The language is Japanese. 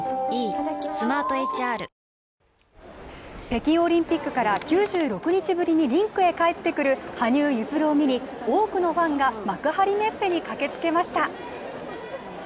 北京オリンピックから９６日ぶりにリンクへ帰ってくる羽生結弦を見に多くのファンが幕張メッセに駆けつけました。